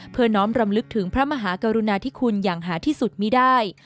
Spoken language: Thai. น้อมรำลึกถึงพระมหากรุณาธิคุณอย่างหาที่สุดมีได้